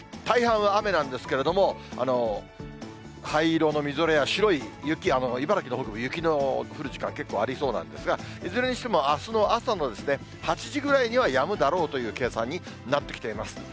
大半は雨なんですけれども、灰色のみぞれや白い雪、茨城の北部、雪の降る時間、結構ありそうなんですが、いずれにしてもあすの朝の８時ぐらいにはやむだろうという計算になってきています。